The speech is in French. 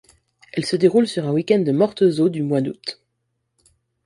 Elle se déroule sur un week-end de mortes-eaux du mois d'août.